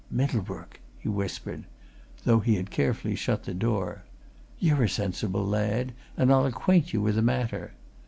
"Middlebrook!" he whispered though he had carefully shut the door "you're a sensible lad, and I'll acquaint you with a matter.